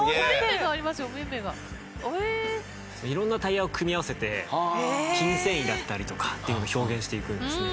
色んなタイヤを組み合わせて筋繊維だったりとかっていうのを表現していくんですね。